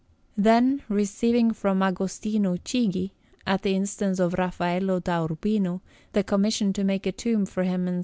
Then, receiving from Agostino Chigi, at the instance of Raffaello da Urbino, the commission to make a tomb for him in S.